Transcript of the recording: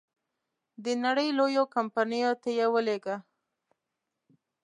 د نړی لویو کمپنیو ته یې ولېږه.